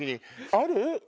ある？